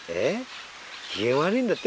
機嫌悪いんだって？